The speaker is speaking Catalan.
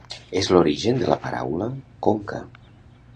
És l'origen de la paraula conca.